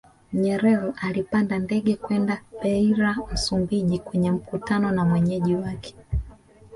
Nyerer alipanda ndege kwenda Beira Msumbiji kwenye mkutano na mwenyeji wake